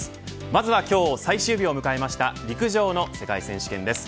まずは今日、最終日を迎えた陸上の世界選手権です。